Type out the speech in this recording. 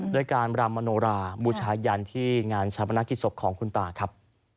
ด้วยการลำมโนราบุษยันทร์ที่งานชาวบรรณกิจศพของคุณตาครับ